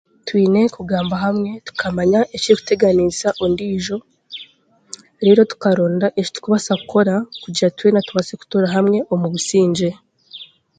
Twine kugamba hamwe tukamanya ekirikuteganiisa ondiijo reero tukaronda eki turikubaasa kukora kugira ngu tubaase kutuura hamwe omu busingye.